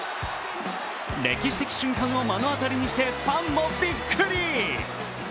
歴史的瞬間を目の当たりにしてファンもびっくり。